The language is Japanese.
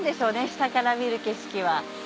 下から見る景色は。